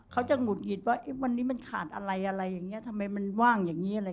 เขาจะหงุดหงิดว่าวันนี้มันขาดอะไรอะไรอย่างนี้ทำไมมันว่างอย่างนี้อะไร